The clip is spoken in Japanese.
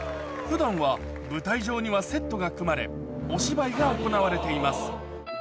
普段は舞台上にはセットが組まれお芝居が行われています